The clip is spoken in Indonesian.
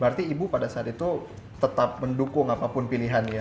berarti ibu pada saat itu tetap mendukung apapun pilihannya